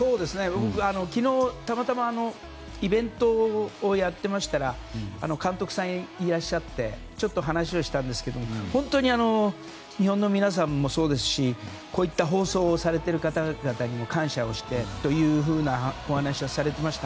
僕昨日、たまたまイベントをやってましたら監督さん、いらっしゃってちょっと話をしたんですけど本当に日本の皆さんもそうですしこういった放送をされている方々にも感謝をしてというふうなお話をされていました。